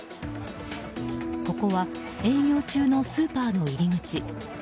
ここは営業中のスーパーの入り口。